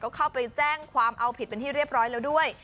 ก็เข้าไปแจ้งความเอาผิดเป็นที่เรียบร้อยแล้วด้วย